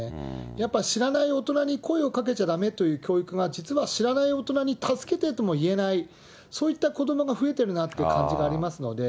やっぱ知らない大人に声をかけちゃだめという教育が実は、知らない大人に助けてとも言えない、そういった子どもが増えてるなって感じがありますので。